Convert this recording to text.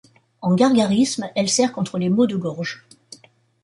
En gargarismes, elle sert contre les maux de gorge.